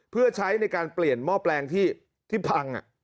เพื่อใช้ในการเปลี่ยนหม้อแปลงที่พัง